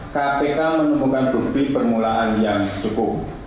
kpk menemukan bukti permulaan yang cukup